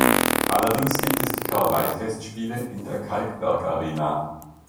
Allerdings gibt es die Karl-May-Festspiele in der Kalkbergarena.